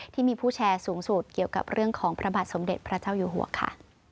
ที่มีผู้แชร์สูงสุดเกี่ยวกับเรื่องของพระบาทสมเด็จพระเจ้าอยู่หัวค่ะ